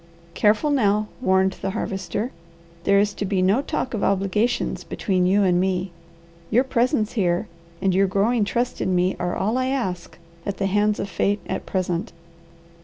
"Careful now," warned the Harvester. "There is to be no talk of obligations between you and me. Your presence here and your growing trust in me are all I ask at the hands of fate at present.